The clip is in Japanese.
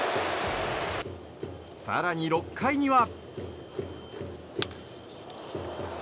更に６回には。